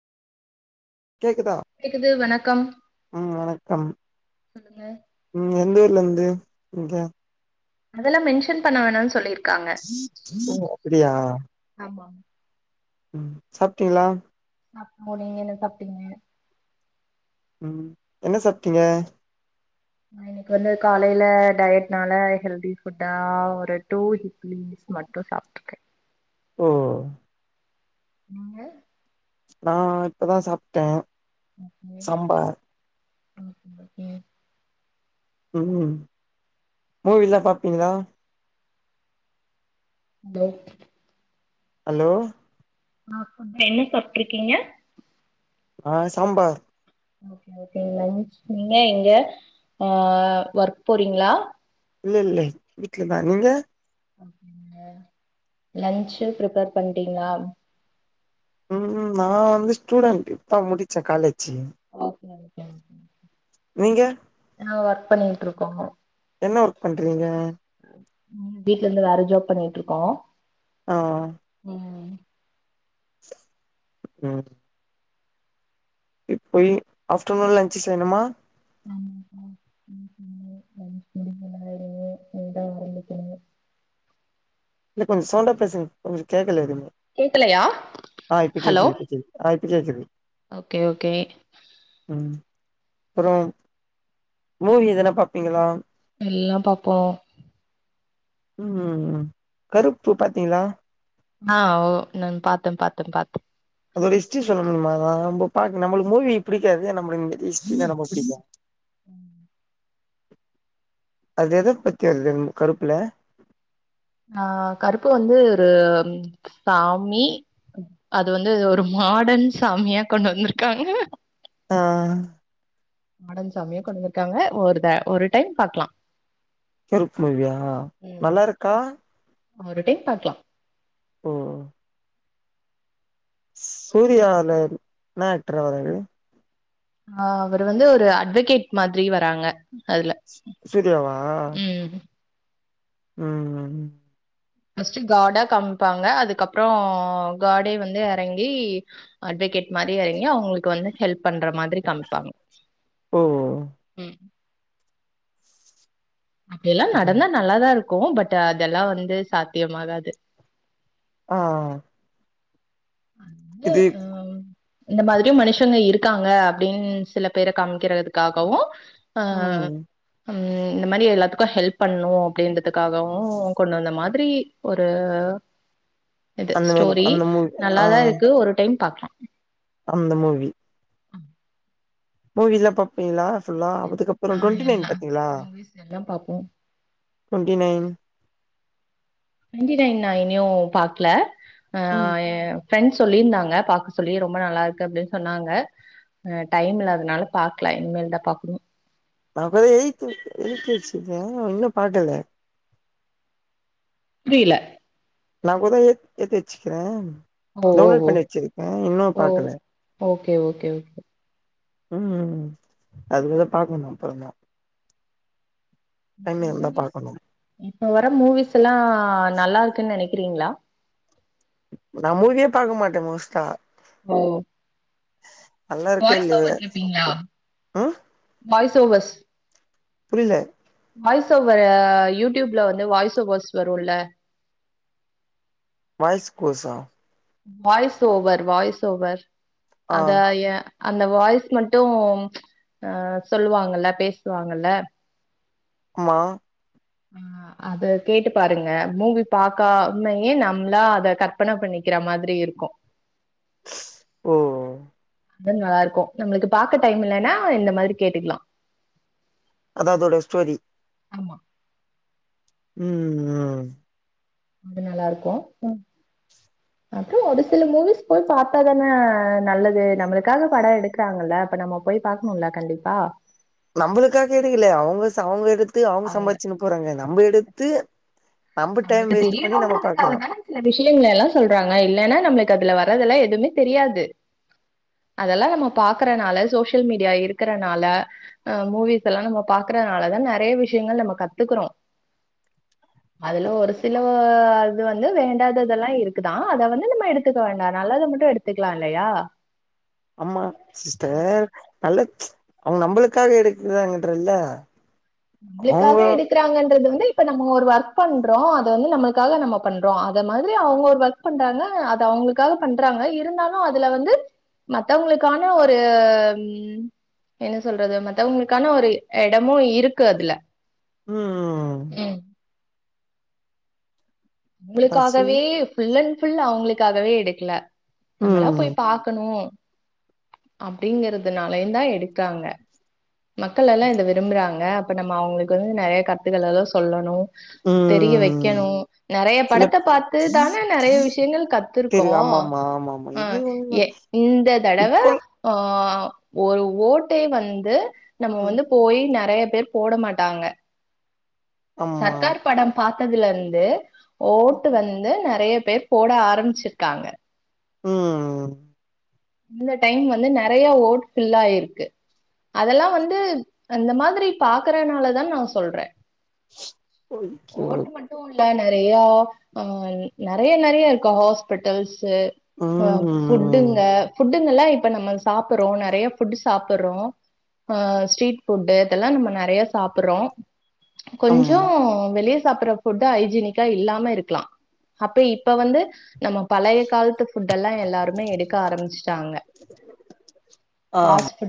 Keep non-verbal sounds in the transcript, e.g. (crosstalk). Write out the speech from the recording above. கேக்குதா கேக்குது வணக் கம் வணக்கம் உம் எந்த லந்து இங்க அதெல்லா மென்ஷன் பண்ண வேணானு சொல்லி ஓ அப்புடியா ஆமா உம் சாப்ட்டீங்ளா சாப்ட்டோ நீங்க என்ன சாப்ட்டீங்க உம் என்ன சாப்டீங்க நா இன்னைக்கு வந்து காலைல டயட்னால ஹெல்தி ஃபுட்டா ஒரு டூ இட்லிஸ் மட்டு சாப்ட்ருக்கே ஓ நீங்க நா இப்பதா சாப்ட்டே ஓகே சாம்பார் ம் ஓகே உம் மூவிலா பாப்பீங்ளா (unintelligible) ஹலோ ஆ ஃபுட் என்ன சாப்ட்ருக்கீங்க ஆ சாம்பார் ஓகே ஓகேங்க நீங்க எங்க ஆ ஒர்க் போறீங்ளா இல்ல இல்ல வீட்லதா நீங்க லன்ச்சு ப்ரிப்பேர் பண்டிங்ளா உம் நா வந்து ஸ்டூடெண்ட் இப்தா முடிச்சே காலேஜ் ஓகே (inaudible) நீங்க நா ஒர்க் பண்ணிட்ருக்கோங்க என்ன ஒர்க் பண்றீங்க உம் வீட்ல இருந்து வேற ஜாப் பண்ணிட்ருக்கோ ஆ ம் உம் இப்பயி ஆஃப்டர்நூன் லன்ச்சு செய்ணுமா (unintelligible) இல்ல கொஞ் சவுண்டா பேசுங்க கொஞ்ச கேக்கல எதுவ்மே கேக்கலையா ஹலோ சேரி சேரி ஓகே ஓகே மஉம் அப்பறம் மூவி எதன பாப்பீங்களா எல்லாம் பார்ப்போம் உம் உம் உம் கருப்பு பாத்தீங்களா ஆஹ் ஓ நான் பாத்தேன் பாத்தேன் பாத்தேன் அதோட ஹிஸ்ட்ரி சொல்ல முடியுமா நா நம்ப பாக்க நம்மளுக்கு மூவி பிடிக்காது நம்மளுக்கு ஹிஸ்ட்ரி தான் பிடிக்கும் உம் அது எத பத்தி வருது கருப்புல ஆஹ் கருப்பு வந்து ஒரு சாமி அது வந்து ஒரு மாடன் சாமியா கொண்டு வந்துருக்காங்க ஆஹ் மாடன் சாமியா கொண்டு்ந்துருக்காங்க ஒரு டா ஒரு டைம் பாக்கலா கருப் மூவியா ம் நல்லா இருக்கா ஒரு டைம் பாக்லாம் ஓ சூரியா அல என்னாக்டரா வராரு ஆஹ் அவர் வந்து ஒரு அட்வகேட் மாதிரி வராங்க அதுல சுரியாவா ம் உம் உம் ஃபர்ஸ்ட்டு காடா காம்ப்பாங்க அதுக்கப்பற காடே வந்து எறங்கி அட்வகேட் மாரி ஆகி அவுங்களுக்கு வந்து ஹெல்ப் பண்ற மாதிரி கம்பாங்க ஓ உம் அப்டியல்லா நடந்தா நல்லாதா இரு க்கும் பட் அதெல்லா வந்து சாத்தியமாகாது ஆஹ் து உம் இந்த மாதிரியு மனுஷங்க இருக்காங்க அப்டின் சில பேர காமிக்கறதுக்காகவும் ஆஹ் ம் உம் இந்த மாரி எல்லாத்துக்கு ஹெல்ப் பண்ணு அப்டின்றதுக்காகவு கொண்டுந்த மாதிரி ஒரு இது அந்தமாரி ஸ்டோரி அந்த மூவி ஆ நல்லாதா இருக்கு ஒரு டைம் டைம் பாக்லா அந்த மூவி (unintelligible) மூவில பாப்பீங்ளா ஃபுல்லா அதுக்கப்பற ஆ டுவெண்ட்டிநைன் எல்லா பாத்தீங்களா மூவிஸ் எல்லாம் பாப்போம். டுவெண்ட்டிநைன் டுவெண்ட்டிநைன் நா இணியு பாக்கல ம் அஹ் ஏ ஃப்ரெண்ட்ஸ் சொல்லிந்தாங்க பாக்க சொல்லி ரொம்ப நல்லா இருக்கு அப்டின் சொன்னாங்க ஹ டைம் இல்லாதனால பாக்ல இனிமேல் தா பாக்ணு நாபோய் (unintelligible) இன்னு பாக்கல புரியல நா குத ஏத் ஏத்துச்சுக்கற ஓ ஓ ஓ ஓ பாக்கல ஓகே ஓகே உம்ம் அதுகொத பாக்கணு அப்பறமா மூவிஸ் இப்ப வர மூவிஸ்லா நல்லா இருக்கு நென ரிங்கிளா நா மூவியே பாக்க மாட்ட மோஸ்டா ஓ நல்லாருக்கு வாய்ஸ் இல்லயோ ஓவர் கேப்பீங்களா உம் வாய்ஸ் ஓவஸ் புரியில வாய்ஸ் ஓவ ஆ யூடியூப்ல வந்து வாய்ஸ் ஓவர்ஸ் வரும்ல வாய்ஸ் கோஸா வாய்ஸ் ஓவர் வாய்ஸ் ஓவர் ஆ அத ஏன் அந்த வாய்ஸ் மட்டும் அஹ சொல்லுவாங்கல்ல பேசுவாங்கல்ல ம்மா ஆஹ அது கேட்டு பாருங்க மூவி பாக்காமயே நம்மளா அத கற்பனை பண்ணிக்கிற மாதிரி இருக்கும் ஸ் ஓ ஓ நல்லா இருக்கும் நம்மளுக்கு பாக்க டைம் இல்லலைன்னா இந்த மாதிரி கேட்டுக்கலாம் அது அதோட ஸ்டோரி ஆமா உம் உம் அது நல்லா இருக்கும் அப்புறம் ஒரு சில மூவிஸ் போய் பாத்தா தானே நல்லது நம்மளுக்காக படம் எடுக்குறாங்கல்ல அப்ப நம்ம போய் பாகக்கணும்ல கண்டிப்பா நம்மளுக்காக எடுக்கலேயே அவுங்க அவுங்க எடுத்து அவுங்க அவங்க சம்பாதிச்சுன்னு போறாங்க நம்ம எடுத்து து நமக்கு தெரியணும்றாதுக்காக தான சில விஷயங்கள எல்லாம் சொல்றாங்க இல்லைன்னா நம்மளு அதுல வர்றதெல்லாம் எதுவுமே தெரியாது அதெல்லாம் நம்ம பாக்குறனால சோசியல் மீடியா இருக்கறனால அஹ மூவிஸ் எல்லாம் நம்ம பாக்குறதுனாலதான் நிறைய விஷயங்கள் நம்ம கத்துக்கறோம் அதுல ஒரு சில அது வந்து வேண்டாததெல்லாம் இருக்குதான் அத வந்து நம்ம எடுத்துக்க வேண்டாம் நல்லத மட்டும் எடுத்துக்கலாம் இல்லையா ஆமா சிஸ்டர் நல்ல அவங்க நம்மளுக்காக எடுக்கிறாங்கன்றல உங்களுக்காக எடுக்கிறாங்கன்றது வந்து இப்ப நம்ம ஒரு ஒர்க் பண்றோம் அது வந்து நம்மளுக்காக நம்ம பண்றோம் அ மாதிரி அவங்க ஒரு ஒர்க் பண்றாங்க அது அவங்களுக்காக பண்றாங்க இருந்தாலும் அதுல வந்து மத்தவங்களுக்கான ஒரு என்ன சொல்றது மத்தவுங்களுக்கான ஒரு இடமும் இருக் க்கு அதுல உம்ம் ம். தாசி உங்களுக்காகவே ஃபுல் அண் ஃபுல் அவங்களுக்காகவே எடுக்கல நம்மளா ம் போய் பாக்கணும் அப்பிடிங்கிறதுனாலயும் தான் எடுக்காங்க மக்கள் எல்லாம் இத விரும்புறாங்க அப்ப நம்ம அவங்களுக்கு வந்து நெறைய கத்துகள எல்லாம் சொல்லணும் தெரிய ம் வைக்கணும் நெறைய சில படத்த பாத்து தானே நெறைய விஷயங்கள் பேரு கத்துருக்கோம் ஆமா ஆமா ஆமா ஆமா ஆஹ இது உண்ம ஏ இந்த தடவ இப்போ ஆ ஒரு ஓட்டை வந்து நம்ம ம் வந்து போய் நெறைய பேர் போட மாட்டாங்க ஆமா சர்க்கார் படம் பாத் அதுலருந்து ஓட்டு வந்து நெறைய பேர் போட ஆரம்பிச்சிருக்காங்க உஹம் இந்த டைம் வந்து நெறைய ஓட் பில் ஆயிருக்கு அதெல்லாம் வந்து அந்த மாரி பாக்குறனாலதா நா சொல்றேன் ஓகே ஓட்டு மட்டும் இல்ல நெறையா ஆ நெறைய நெறைய இருக்கா ஹாஸ்பிட்டல்ஸ் து ஹ ம் ஃபுட்டுங்க ஃபுட்டுங்கல்லாம் இப்ப நம்ம சாப்படுறோம் நெறைய ஃபுட் சாப்படுறோம் ஹ ஸ்ட்ரீட் ஃபுட்டு் இதெல்லாம் நம்ம நெறைய சாப்படுறோம் ஆமா கொஞ்சோம் வெளிய சாப்பற ஃபுட்ட ஹைஜினிக்கா இல்லாம இருக்கலாம் அப்ப இப்ப வந்து நம்ம பலைய காலத்து ஃபுட்டெல்லாம் எல்லாருமே எடுக்க ஆரம்பிச்சி டாங்க ஆமா பாஸ்ஃபுட்